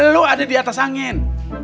lo ada di atas angin